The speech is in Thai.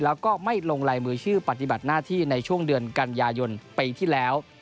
แล้วก็ไม่ลงลายมือชื่อปฏิบัติหน้าที่ในช่วงเดือนกันยายนปีที่แล้ว